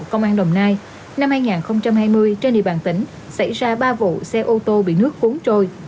công an đồng nai năm hai nghìn hai mươi trên địa bàn tỉnh xảy ra ba vụ xe ô tô bị nước cuốn trôi